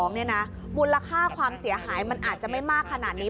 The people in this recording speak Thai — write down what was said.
มูลค่าความเสียหายมันอาจจะไม่มากขนาดนี้